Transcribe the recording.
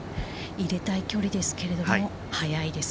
入れたい距離ですけれども、早いです。